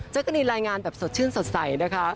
กะรีนรายงานแบบสดชื่นสดใสนะคะ